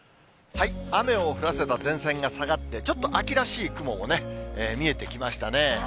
雨を降らせた前線が下がって、ちょっと秋らしい雲も見えてきましたね。